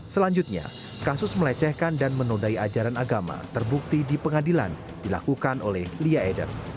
selanjutnya kasus melecehkan dan menodai ajaran agama terbukti di pengadilan dilakukan oleh lia eder